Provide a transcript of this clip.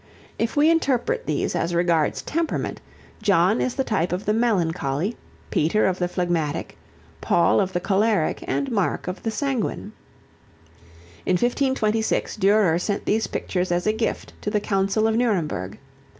If we interpret these as regards temperament, John is the type of the melancholy, Peter of the phlegmatic, Paul of the choleric and Mark of the sanguine. In 1526, Durer sent these pictures as a gift to the Council of Nuremberg.